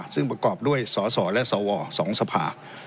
ซึ่งประกอบด้วยสสและสว๒สภา